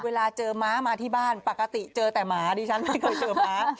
เวลาเจอม้ามาที่บ้านปกติเจอแต่หมาดิฉันไม่เคยเจอม้า